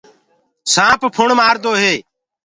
سآنپ ڦُڻ مآردو هي۔